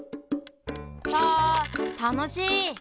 サたのしい！